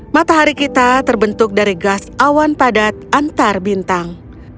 matahari kita terbentuk dari gas awan padat antar bintang